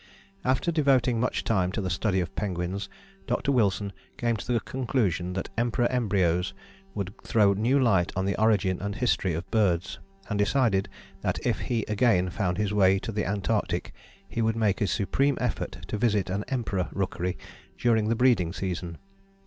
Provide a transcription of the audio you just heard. "After devoting much time to the study of penguins Dr. Wilson came to the conclusion that Emperor embryos would throw new light on the origin and history of birds, and decided that if he again found his way to the Antarctic he would make a supreme effort to visit an Emperor rookery during the breeding season.